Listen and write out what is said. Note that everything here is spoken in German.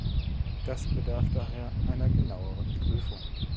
Das bedarf daher einer genaueren Prüfung.